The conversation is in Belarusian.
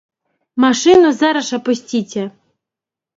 Машыну зараз жа пусціце.